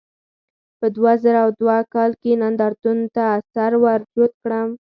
په دوه زره دوه کال کې نندارتون ته سر ورجوت کړم.